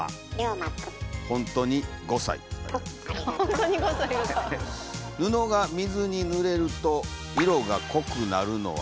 なんで服が水にぬれると色が濃くなるの？